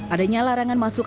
adanya larangan masuk